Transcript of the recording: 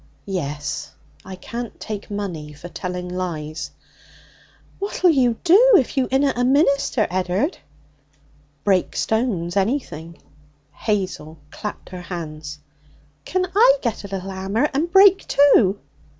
'Yes. I can't take money for telling lies.' 'What'll you do if you inna a minister, Ed'ard?' 'Break stones anything.' Hazel clapped her hands. 'Can I get a little 'ammer and break, too?'